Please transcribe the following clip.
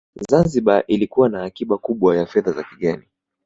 Zanzibar ilikuwa na akiba kubwa ya fedha za kigeni